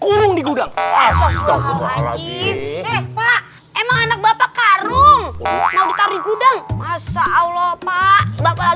kurung di gudang asal alazim emang anak bapak karung mau dikari gudang masa allah pak bapak